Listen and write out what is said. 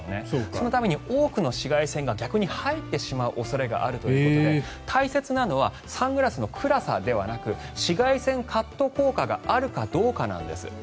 そのために多くの紫外線が逆に入ってしまう恐れがあるということで大切なのはサングラスの暗さではなく紫外線カット効果があるかどうかなんです。